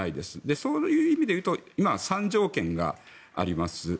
そういう意味で言うと今は３条件があります。